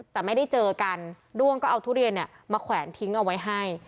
แต่ไม่ได้เจอกันด้วงก็เอาทุเรียนมาแขวนทิ้งเอาไว้ให้